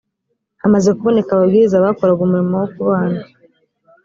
hamaze kuboneka ababwiriza bakoraga umurimo wo kubana